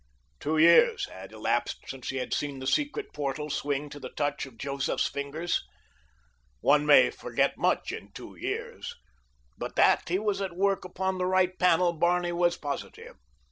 Two years had elapsed since he had seen the secret portal swing to the touch of Joseph's fingers. One may forget much in two years; but that he was at work upon the right panel Barney was positive.